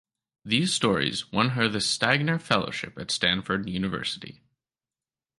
These stories won her the Stegner Fellowship at Stanford University.